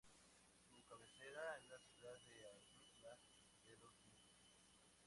Su cabecera es la ciudad de Ayutla de los Libres.